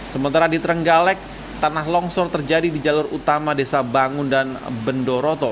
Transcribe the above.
sementara di trenggalek tanah longsor terjadi di jalur utama desa bangun dan bendoroto